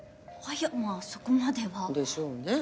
いやまあそこまでは。でしょうね。